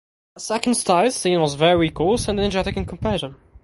The second style seen was very coarse and energetic in comparison.